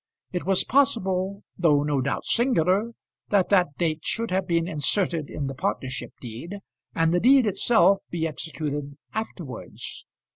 It was possible, though no doubt singular, that that date should have been inserted in the partnership deed, and the deed itself be executed afterwards.